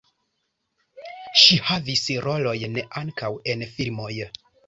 Ŝi havis rolojn ankaŭ en filmoj.